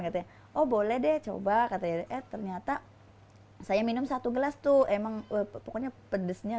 katanya oh boleh deh coba katanya eh ternyata saya minum satu gelas tuh emang pokoknya pedesnya